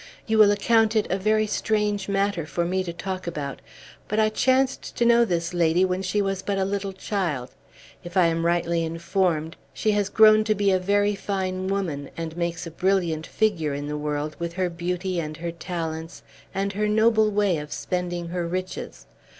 "You will account it a very strange matter for me to talk about; but I chanced to know this lady when she was but a little child. If I am rightly informed, she has grown to be a very fine woman, and makes a brilliant figure in the world, with her beauty, and her talents, and her noble way of spending her riches.